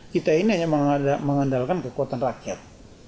kita ini hanya mengandalkan kekuatan rakyat